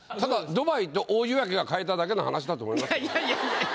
「ドバイ」と「大夕焼」が変えただけの話だと思います。